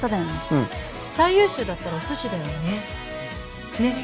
うん最優秀だったらお寿司だよねねっ？